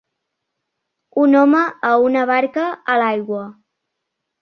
Un home a una barca a l'aigua.